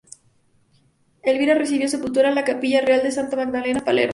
Elvira recibió sepultura en la capilla real de Santa Magdalena en Palermo.